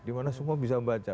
dimana semua bisa membaca